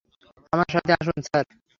আমার সাথে আসুন, স্যার।